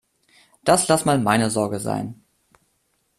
Das lass mal meine Sorge sein.